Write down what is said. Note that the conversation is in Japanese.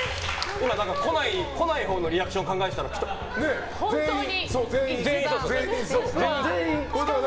今、来ないほうのリアクション考えてたら来たから。